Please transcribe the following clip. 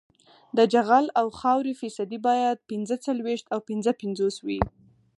د جغل او خاورې فیصدي باید پینځه څلویښت او پنځه پنځوس وي